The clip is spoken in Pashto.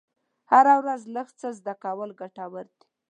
هره ورځ لږ څه زده کول ګټور دي.